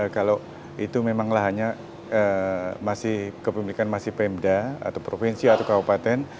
kalau itu memanglah hanya kepemilikan masih pemda atau provinsi atau kabupaten